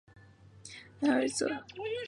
埃尔泽。